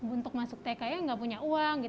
untuk masuk tki nggak punya uang